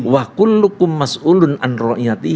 wakullukum mas'ulun an ro'iyati